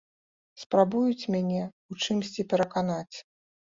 Спрабуюць мяне ў чымсьці пераканаць.